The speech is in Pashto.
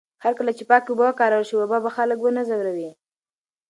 هرکله چې پاکې اوبه وکارول شي، وبا به خلک ونه ځوروي.